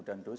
ya di sini